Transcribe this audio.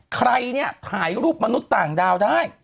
ใครเนี่ยถ่ายรูปมนุษย์ต่างดาวได้